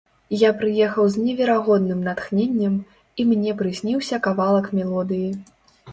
Я прыехаў з неверагодным натхненнем, і мне прысніўся кавалак мелодыі.